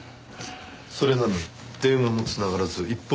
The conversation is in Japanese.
それなのに電話も繋がらず一方